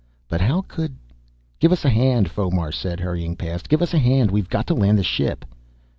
"But how could " "Give us a hand," Fomar said, hurrying past. "Give us a hand, we've got to land the ship!"